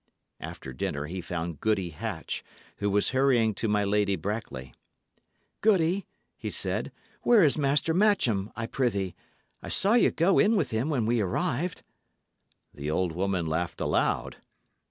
After dinner he found Goody Hatch, who was hurrying to my Lady Brackley. "Goody," he said, "where is Master Matcham, I prithee? I saw ye go in with him when we arrived." The old woman laughed aloud.